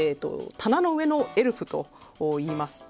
棚の上のエルフといいます。